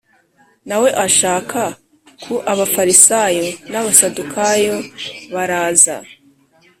Na we ashaka ku Abafarisayo n’Abasadukayo baraza